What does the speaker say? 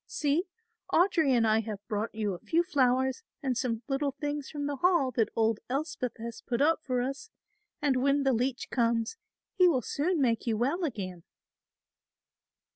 See! Audry and I have brought you a few flowers and some little things from the Hall that old Elspeth has put up for us, and when the leech comes, he will soon make you well again."